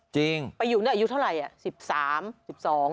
จริงไปอยู่อายุเท่าไรสิบสามสิบสองสิบสาม